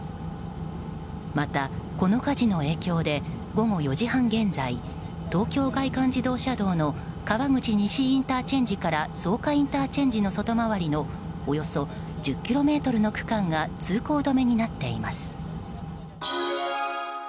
また、この火事の影響で午後４時半現在東京外環自動車道の川口西ＩＣと草加ＩＣの間の外回りのおよそ１０ｋｍの区間が通行止めになっています。